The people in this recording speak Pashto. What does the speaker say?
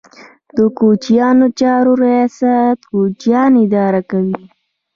د کوچیانو چارو ریاست کوچیان اداره کوي